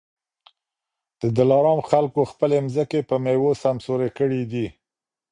د دلارام خلکو خپلي مځکې په میوو سمسوري کړي دي